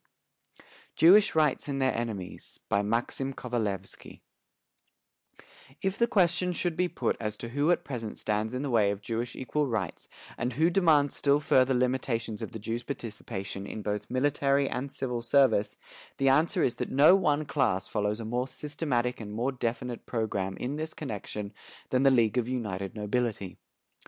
_ JEWISH RIGHTS AND THEIR ENEMIES BY MAXIM KOVALEVSKY If the question should be put as to who at present stands in the way of Jewish equal rights and who demands still further limitations of the Jews' participation in both military and civil service, the answer is that no one class follows a more systematic and more definite programme in this connection than the League of United Nobility.